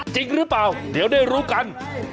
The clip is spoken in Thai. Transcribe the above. จริงหรือเปล่าเดี๋ยวได้รู้กัน